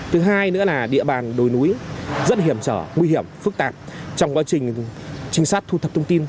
thứ hai nữa là địa bàn đồi núi rất hiểm trở nguy hiểm phức tạp trong quá trình trinh sát thu thập thông tin